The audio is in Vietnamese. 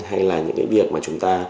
hay là những cái việc mà chúng ta